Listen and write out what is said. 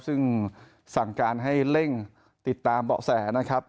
ซึ่งสั่งการให้เร่งติดตามเบาะแสนะครับ